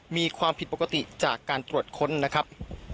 มีความผิดปกติจากการตรวจค้นนะครับ